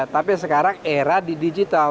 tapi sekarang era digital